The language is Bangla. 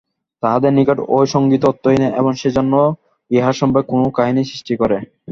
তাহাদের নিকট ঐ সঙ্গীত অর্থহীন এবং সেজন্য উহার সম্পর্কে কোন কাহিনী সৃষ্টি করে।